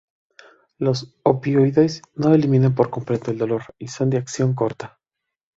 Los opioides no eliminan por completo el dolor y son de acción corta.